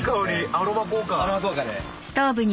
アロマ効果で。